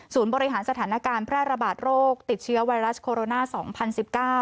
บริหารสถานการณ์แพร่ระบาดโรคติดเชื้อไวรัสโคโรนาสองพันสิบเก้า